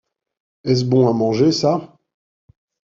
Est-ce bon à manger, ça?